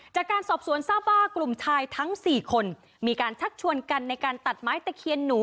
จากการสอบสวนทราบว่ากลุ่มชายทั้ง๔คนมีการชักชวนกันในการตัดไม้ตะเคียนหนู